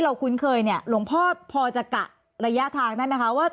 คุ้นเคยเนี่ยหลวงพ่อพอจะกะระยะทางได้ไหมคะว่า